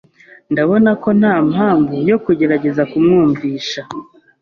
Ndabona ko nta mpamvu yo kugerageza kumwumvisha.